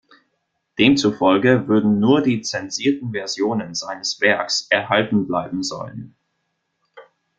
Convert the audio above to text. Demzufolge würden nur die zensierten Versionen seines Werks erhalten bleiben sollen.